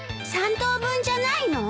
３等分じゃないの？